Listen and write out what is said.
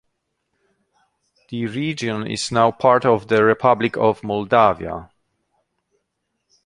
The region is now part of the Republic of Moldova.